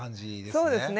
そうですね。